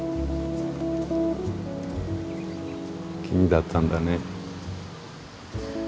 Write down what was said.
君だったんだね。